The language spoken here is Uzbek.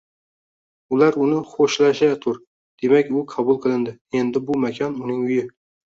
ular uni xo‘shlashayotir, demak, u qabul qilindi, endi bu makon — uning uyi.